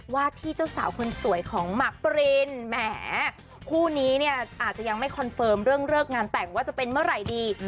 ว่าที่เจ้าสาวคนสวยของหมากปรินแหมคู่นี้เนี่ยอาจจะยังไม่คอนเฟิร์มเรื่องเลิกงานแต่งว่าจะเป็นเมื่อไหร่ดี